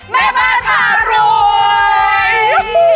แม่บ้านผ่ารวย